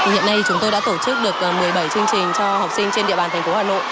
hiện nay chúng tôi đã tổ chức được một mươi bảy chương trình cho học sinh trên địa bàn thành phố hà nội